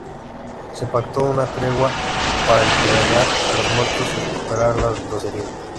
Se pactó una tregua para enterrar a los muertos y recuperar a los heridos.